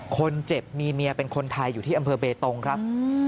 คนเจ็บมีเมียเป็นคนไทยอยู่ที่อำเภอเบตงครับ